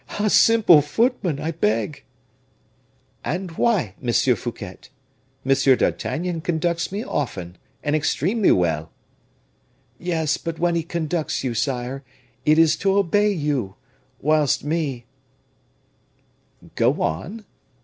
A simple footman, I beg." "And why, M. Fouquet? M. d'Artagnan conducts me often, and extremely well!" "Yes, but when he conducts you, sire, it is to obey you; whilst me " "Go on!"